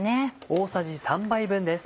大さじ３杯分です。